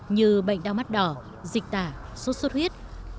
như bệnh đau mắt đỏ dịch tả sốt sốt huyết